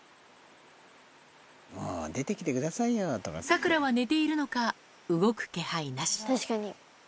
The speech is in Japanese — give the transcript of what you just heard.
サクラは寝ているのか、動く気配なし。